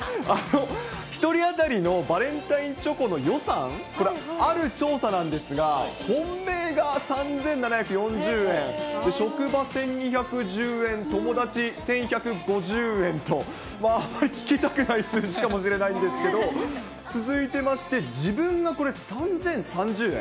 １人当たりのバレンタインチョコの予算、ある調査なんですが、本命が３７４０円、職場１２１０円、友達１１５０円と、あまり聞きたくない数字かもしれないんですけれども、続いてまして、自分が３０３０円。